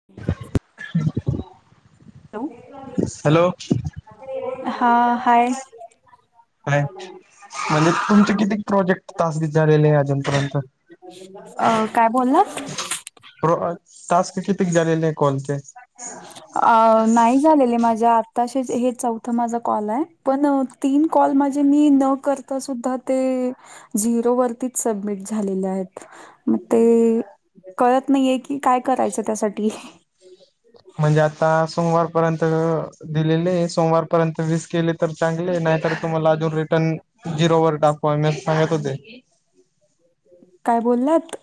हॅो [unintelligible] hello. हा hi hi म्हणजे तुमचे किती प्रोजेक्ट तास झालेले आहे अजूनपर्यंत? अ काय बोलात? प्र टास्क किती झालेले कॉलचे? अ नाही झालेले माझे आताशे हे चौथ माझा कॉल आहे पण तीन कॉल माझे मी न कर आता सुद्धा ते झिरो वरतीच सबमिट झालेले आहेत. मग ते कळत नाहीये कि काय करायचं त्यासाठी म्हणजे आता सोमवार पर्यंत दिलेले ये सोमवारपर्यंत वीस केली तर चांगले नाहीतर तुम्हाला अजून रिटर्न झिरोवर टाकू आम्ही अस सांगत होते. काय बोललात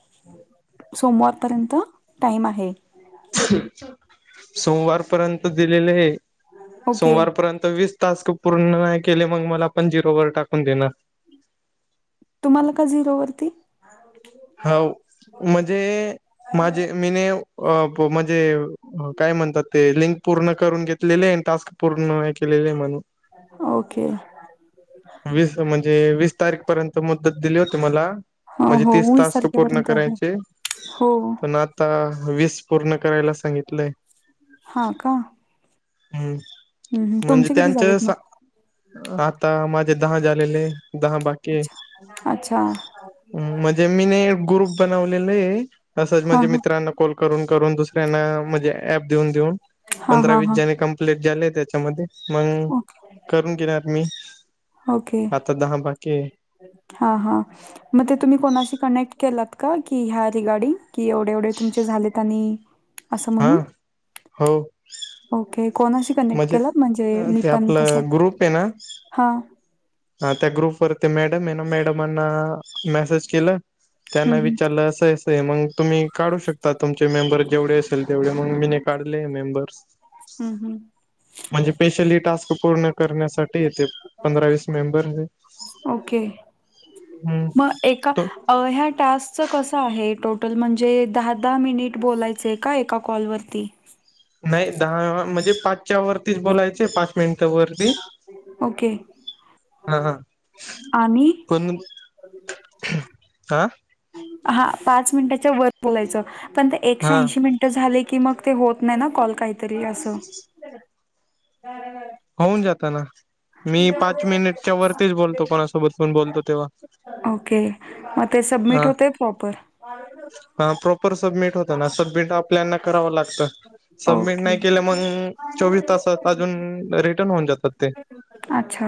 सोमवारपर्यंत टाइम आहे. सोमवारपर्यंत दिलेले ये ओके सोमवारपर्यंत वीस टास्क पूर्ण नाही केले मग मला पण झिरोवर टाकून देणार तुम्हाला का झिरोवरती? हाऊ म्हणजे माझे मीनेव अ म्हणजे काय म्हणतात ते लिंक पूर्ण करून घेतलेले ये टास्क पूर्ण ना केलेले म्हणून ओके वीस म्हणजे वीस तारीख पर्यंत मुदत दिली होती मला हो म्हणजे हो तीस वीस टास्क पूर्ण तारखेपर्यंत आहे करायचे हो पण आता वीस पूर्ण करायला सांगितलंय. हा का? हम हम्म. म्हणजे तुमचे किती त्यांच्या झालेत मग सा आता माझे दहा झालेले दहा बाकी ये. अच्छा अच्छा म्हणजे मीने एक ग्रुप बनवलेले ये असंच हा म्हणजे हा मित्रांना कॉल करून करून दुसऱ्यांना म्हणजे ऍप देऊन देऊन हा पंधरा हा वीस हा जणे कंप प्लेट झाले त्याच्यामध्ये मग ओके करून घेणार मी ओके आता आता दहा बाकी ये. हा हा मग ते तुम्ही कोणाशी कनेक्ट केलात का की ह्या रिगार्डिंग? कि एवढे एवढे तुमचे झालेत आणि असं हा म्हणून हो ओके कोणाशी कनेक्ट केलात म्हणजे मी ते पण अस आपलं हा हा त्या ग्रुपवरती मॅडम आहे ना मॅडमांना मेसेज केलं हम्म त्यांना हम्म विचारलं असेच ते, मग तुम्ही काढू शकता. तुमचे मेंबर जेवढे असेल तेवढे मग मीे काढले. मेंबर्स हम्म हम्म म्हणजे स्पेशली टास्क पूर्ण करण्यासाठी येते. पंधरा - वीस मेंबर ओके, हम्म मग एका तो अ ह्या, टास्कच कसं आहे. टोटल म्हणजे दहा - दहा मिनिट बोलायचंय का एका कॉल वरती नाही. दहा म्हणजे पाचच्या वरतीच बोलायचे पाच मिनिटावर मी ओके हा हा, आणि कोण का, हा, पाच मिनिटाच्या वर बोलायचं, पण ते एकशे हा ऐंशी मिनिट मिनिट झाले, की मग ते होत नाही. ना कॉल काहीतरी असं, [unintelligible] होऊन जाताना मी पाच मिनिटच्या वरतीच बोलतो. कोणासोबत पण बोलतो, तेव्हा ओके, मग ते हा सबमिट होतय प्रॉपर. [inaudible] हा, प्रॉपर सबमिट होत ना, सबमिट आपल्याना कराव लागत. सबमिट ओके नाही केलं, मग चोवीस तासात अजून रिटर्न होऊन जातात. ते अच्छा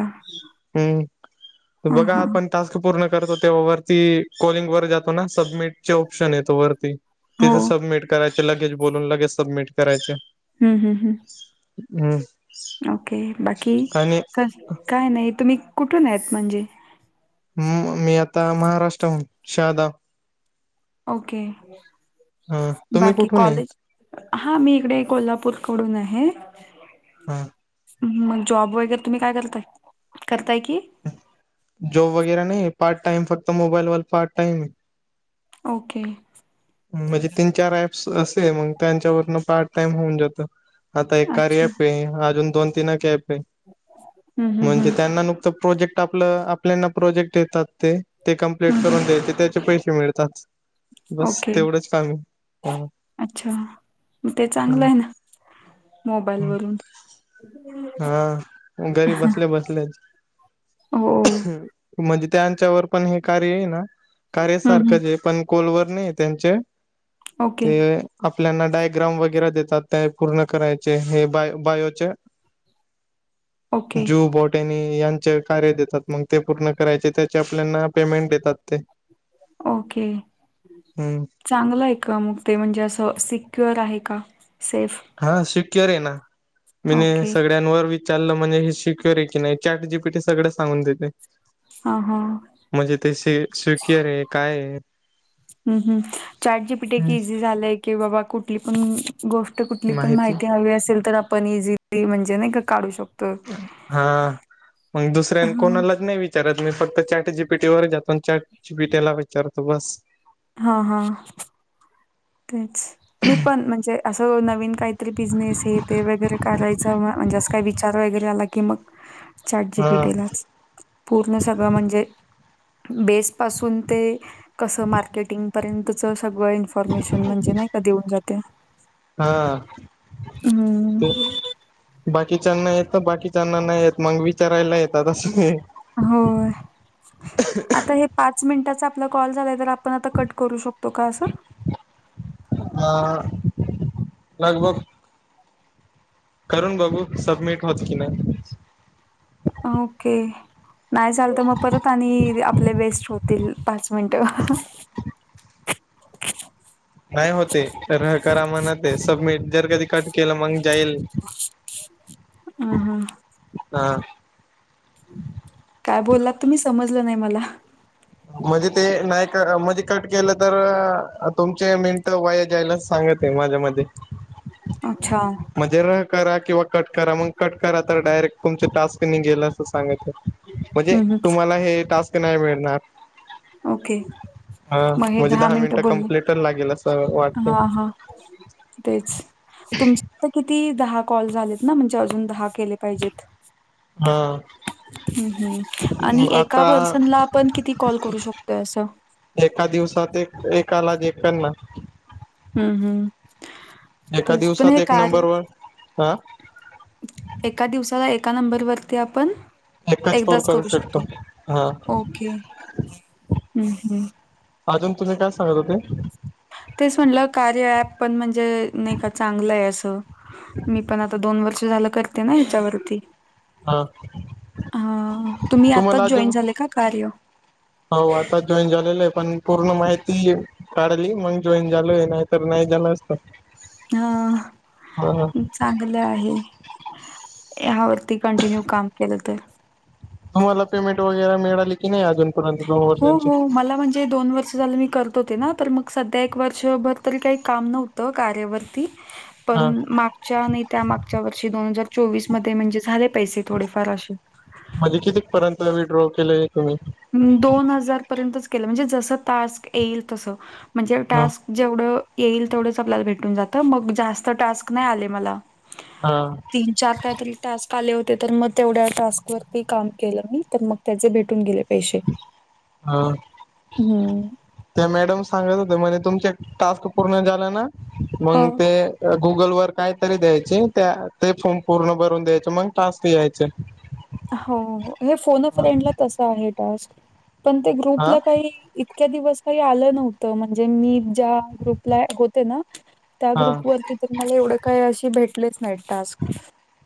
हम्म, हां बघा हां आपण टास्क पूर्ण करतो. तेव्हा वरती कॉलिंग वर जातो ना, सबमिटचे ऑप्शन येतो वरती. हो तिथे सबमिट करायचे. लगेच बोलून लगेच सबमिट करायचे. हम हम हम्म, [inaudible] ओके, बाकी आणि का काय नाही. तुम्ही कुठून आहेत. म्हणजे म मी, आता महाराष्ट्रात शारदा ओके, हा तुम्ही बाकी कुठून आहेत? कॉलेज हा, मी इकडे कोल्हापूरकडून आहे. हा हम्म हम्म, मग जॉब वगैरे तुम्ही काय करताय करताय की, जॉब वगैरे नाही, पार्ट टाइम फक्त मोबाईलवर पार्ट टाइम. ओके, म्हणजे तीन -चार ॲप्स असे मग त्याच्या वरन पार्ट टाइम होऊन जात. आता हे कार्य अच्छा ॲप आहे. अजून दोन -तीन ॲप आहे. हम्म हम्म म्हणजे हम्म त्यांना नुकतं, प्रोजेक्ट आपलं आपल्याना प्रोजेक्ट येतात ते, ते कम्पलेट हम्म करून द्यायचे, त्याचे पैसे मिळतात बस. ओके तेवढंच काम आहे. हा अच्छा, म ते चांगलं आहे हा ना, मोबाईल वरून हा, घरी बसल्या बसल्याच हो म्हणजे त्यांच्यावर पण हे कार्य आहे. ना हं, हं. कार्यसारखंच आहे पण, कोलवर नाही त्यांचे ओके, ते, आपल्याना डायग्राम वगैरे देतात. त्या पूर्ण करायचे हे बाय बायोचे ओके, जू बॉट त्यानी यांचे कार्य देतात. मग ते पूर्ण करायचे त्याचे आपल्याना पेमेंट देतात ते ओके, हम्म चांगलं आहे. का मग ते म्हणजे असं सिक्युअर आहे का सेफ, हा सिक्युअर आहे. ना मी ओके. सगळ्यांवर विच चाललं म्हणजे हे सिक्युअर आहे. की नाही चॅट जी पि टी सगळं सांगून देते. ह, हा, म्हणजे ते स -स्किअर आहे काय आहे? हम्, हम्, चाटची पिठा की इझी झालंय. कि बाबा कुठली पण, गोष्ट कुठली पण माहिती हवी असेल तर आपण ई म्हणजे नाही का काढू शकतो. हा. मग दुसऱ्या हां, कोणालाच नाही विचारत मी फक्त चॅट जीपीटी वर आपण चॅ जीपीटला विचारतो बस. हा, हा, तेच. मी पण म्हणजे असं नवीन काहीतरी बिझनेस हे ते वगैरे करायचं म्हणजे अस काय विचार वगैरे आला की मग, चार्ट हा जीपीटेलाच पूर्ण सगळं म्हणजे, बेस पासून ते कस मार्केटिंगपर्यंत सगळं इन्फॉर्मेशन म्हणजे नाही का देऊन जाते. हा हम्म ते बाकीच्यांना येत, बाकीच्यांना नाही येत, मग विचारायला येतात असय. होय. आता हे पाच मिनिटाचा आपला कॉल झालाय तर, आपण आता कट करू शकतो का असं? अ, लगभग करून बघू सबमिट होत की नाही? ओके. नाही चालत मग परत आणि, आपले वेस्ट होतील पाच मिनटं. नाही होते. तर करा म्हणते सब मट जर कधी कट केलं मग जाईल. हं हं. हा हम् [inaudible] काय बोललात तुम्ही? समजलं नाही मला. म्हणजे ते नाही का म्हणजे कट केलं तर, तुमचे मिनट वाया जाईल असं सांगत. ते माझ्या मध्ये अच्छा! म्हणजे र करा किंवा कट करा मग कट करा, तर डायरेक्ट तुमचे टास्क नि गेल असं सांगत. म्हणजे हं हं. तुम्हाला हे टास्क नाही मिळणार. ओके. हा मग हे म्हणजे दहा मिनिट मिनिटं बोलले. कंप्लीट लागेल असं वाटते हा हा तेच, तुमच्या किती दहा कॉल झालेत ना, म्हणजे अजून दहा केले पाहिजेत. हा. ह् हम्, आणि एका आता पर्सनला आपण किती कॉल करू शकतोय असं? एका दिवसात एक, एकाला ज एकांना. हम्म, हम्म. एका दिवसात एक नंबरवर ह एका दिवसाला एका नंबरवरती आपण एकदाच करू शकतो, हा ओके हम्म्. अजून तुम्ही काय सांगनार होते? तेच म्हटलं कार्य ऍप पण म्हणजे नाही का चांगलं आहे असं, मी पण आता दोन वर्ष झा करते ना याच्यावरती. हा हा तुम्ही आताच तुम्हाला जॉईन अजून झाले का कार्य? हो आता. जॉईन झालेलो आहे. पण पूर्ण माहिती काढली. मग जॉईन झालोय. नाहीतर नाही झालं असत. हा हा चांग ल आहे. ह्यावरती कंटिन्यू काम केलं तर. तुम्हाला पेमेंट वगैरे मिळाली, की नाही अजून? हो हो मला म्हण जे दोन वर्ष झालं मी करत होते ना. तर मग सध्या एक वर्षभर तरी काही काम नव्हत कार्यावरती. हा पण मागच्या नाही. त्या मागच्या वर्षी दोन हजार चोवीस मध्ये म्हणजे झाले पैसे थोडेफार असे. म्हणजे कितीपर्यंत विड्रॉ केलंय तुम्ही? दोन हजार पर्यंतच केलं. म्हणजे जस टास्क येईल, तसं म्हणजे हा टास्क. जेवढं येईल. तेवढंच आपल्याला भेटून जात. मग जास्त टास्क नाही आले मला. हा. तीन चार काहीतरी टास्क आले होते. तर मग तेवढ्या टास्क वरती काम केलं मी तर मग त्याचे भेटून गेले. पैसे. हा. हं. त्या मॅडम सांगत होते म्हणे, तुमचे टास्क पूर्ण झाले ना हो. मग ते गुगल वर काय तरी द्यायचे. त्या ते फॉर्म पूर्ण भरून द्यायच मग टास्क यायचे. हो, हे फोन हा फ्रेडला तसं आहे टास्क. पण ते ग्रुपला हा काही इतके दिवस काही आलं नव्हतं. म्हणजे, मी ज्या ग्रुपला होते ना. त्या ग्रुप वरती तर मला एवढं काही अशी भेटलेच नाही टास्क.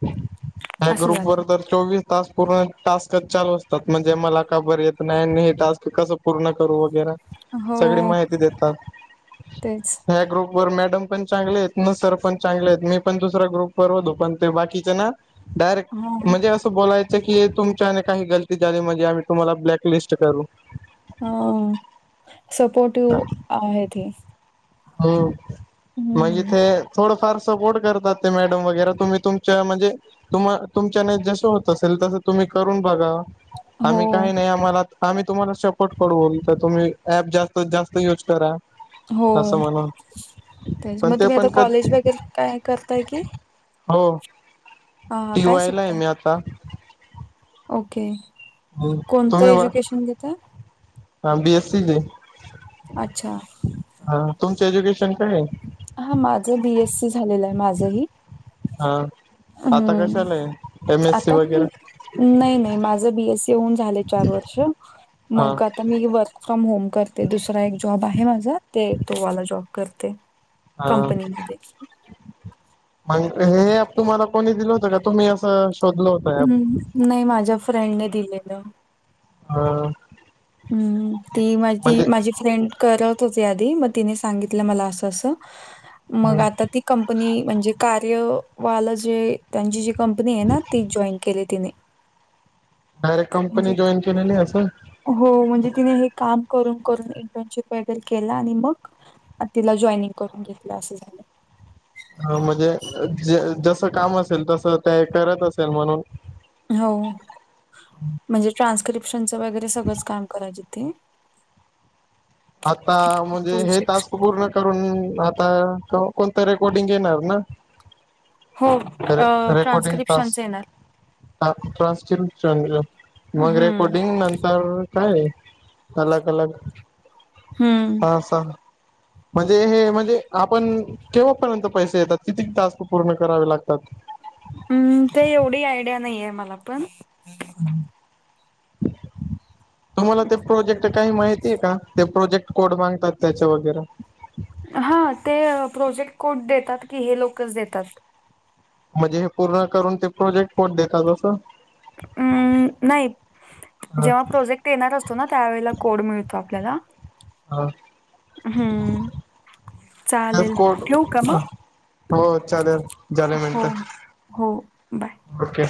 त्या असं ग्रुप वर झालं. तर, चोवीस तास पूर्ण टास्कच चालू असतात. म्हणजे मला का बर येत नाही. हे टास्क कसं पूर्ण करू वगैरा सगळी हो, माहिती देतात. तेच. ह्या ग्रुप वर मॅडम पण चांगले आहेत. न सर पण चांगले आहेत. मी पण दुसरा ग्रुपर होतो. पण ते बाकीचे ना डायरेक्ट हां, म्हणजे अस. बोलायच की, तुमची काही गलती झाली म्हणजे आम्ही तुम्हाला ब्लॅकलिस्ट करू. हा सपोर्टिव आहेत. हो, म्हणजे ते थोडंफार सपोर्ट करतात ते मॅडम वगैरे तुम्ही तुमच्या म्हणजे तुम्हा तुमच्याने जस होत असेल, तसं तुम्ही करून बघा. हो, आम्ही काही नाही. आम्हाला आम्ही तुम्हाला सपोर्ट करू. तर तुम्ही ऍप जास्तीत जास्त युज करा. हो. असं म्हणून तेच पण मग ते तुम्ही आता पण क कॉलेज वगैरे काय करताय की, हो. हां, हां. टी काय वाय ला आहे शिकताय? मी आता. ओके. कोणतं तुम्ही एज्युकेशन घेता? हा बीएस सी चे अच्छा. हा. तुमचं एज्युकेशन काय आहे? हा. माझं बी एस सी झालेलं आहे माझंही. हा. आता हं. कशला हाय एम एस सी आता मी वगैरे? नाही नाही. माझ बी एस सी होऊन झालंय चार वर्ष हा मग आता मी वर फ्रॉम होम करते. दुसरा एक जॉब आहे माझा ते तोवाला जॉब करते. हा. कंपनीमध्ये मग हे तुम्हाला कोणी दिलं होतं का? तुम्ही असं शोधल होत? हम्. नाही माझ्या फ्रेंडने दिलेलं. ह. हम्म. ती माझी माझी फ्रेंड. करत होती आधी मग तिने सांगितलं मला असं असं मग आता ती कंपनी म्हणजे कार्यवालं जे त्यांची जी कंपनी आहे ना ती जॉईन केली तिने. डायरेक्ट कंपनी म्हणजे जॉईन केलेली असं? हो म्हणजे तिने हे काम करून करून इंटर्नशिप वगैरे केल आणि मग अ तिला जॉइनिंग करून घेतलं असं झालं. ह म्हणजे ज जस काम असेल तसं ते करत असेल म्हणून हो. म्हणजे ट्रान्स्क्रिप्शनचं वगैरे सगळंच काम करायचे ती. आता म्हणजे हे प्रोजेक्ट टास्क पूर्ण करून आता कोणतं रेकॉर्डिंग येणार ना? हो अ ट्रान्स्क्रिप्शनच येणार ट्रान्सक्रिप्शनच मग हम्म रेकॉर्डिंग नंतर काय अलग अलग हमम. अस म्हणजे हे म्हणजे आपण केव्हापर्यंत पैसे येतात किती टास्क पूर्ण करावे लागतात? हम्म ते एवढी आयडिया नाही आहे मला पण हम्म [inaudible] तुम्हाला ते प्रोजेक्ट काही माहितीय का ते प्रोजेक्ट कोड मागतात त्याच्या वगैरे? हा ते प्रोजेक्ट कोड देतात की हे लोकच देतात. म्हणजे हे पूर्ण करून ते प्रोजेक्ट कोड देतात असं? अमम नाही हा जेव्हा प्रोजेक्ट ते देणार असतो ना त्यावेळेला कोड मिळतो आपल्याला हा हमम. तेच चालेल कोड ठेऊ का म? हो चालेल झाले मिनट हो, बाय. ओके.